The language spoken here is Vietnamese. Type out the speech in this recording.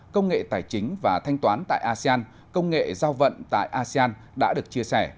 công nghệ tài chính và thanh toán tại asean công nghệ giao vận tại asean đã được chia sẻ